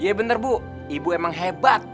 iya benar bu ibu emang hebat